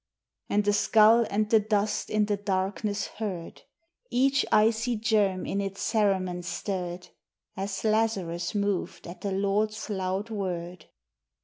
And the skull and the dust in the darkness heard. Each icy germ in its cerements stirred, As Lazarus moved at the Lord's loud word.